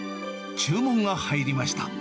注文が入りました。